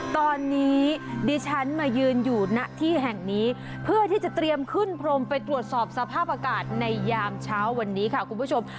ตอนนี้ดิฉันมายืนอยู่ณที่แห่งนี้เพื่อที่จะเตรียมขึ้นพรมไปตรวจสอบสภาพอากาศในยามเช้าวันนี้ค่ะคุณผู้ชม